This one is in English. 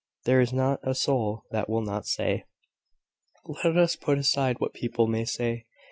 There is not a soul that will not say ." "Let us put aside what people may say.